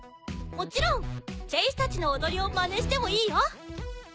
もちろんチェイスたちのおどりをまねしてもいいよ。